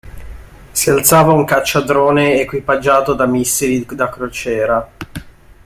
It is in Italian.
Si alzava un caccia drone equipaggiato da missili da crociera.